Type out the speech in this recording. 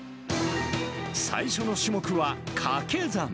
最初の種目はかけ算。